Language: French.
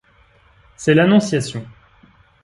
C’est l’Annonciation.